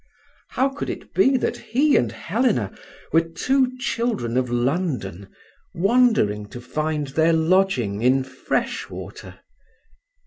How could it be that he and Helena were two children of London wandering to find their lodging in Freshwater?